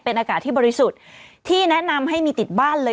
อากาศที่บริสุทธิ์ที่แนะนำให้มีติดบ้านเลย